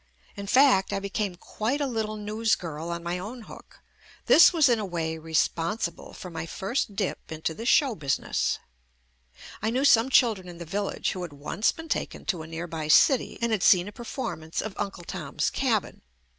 In fact, I became quite a little newsgirl on my own hook. This was in a way responsible for my first dip into the show business. I knew some children in the village who had once been taken to a nearby city and had seen a per formance of "Uncle Tom's Cabin."